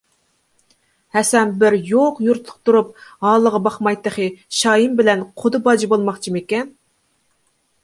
ھەسەن بىر يوق يۇرتلۇق تۇرۇپ ھالىغا باقماي تېخى شاھىم بىلەن قۇدا باجا بولماقچىمىكەن؟